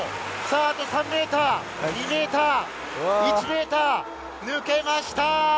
あと３ｍ、２ｍ、１ｍ、抜けました！